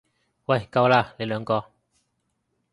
喂夠喇，你兩個！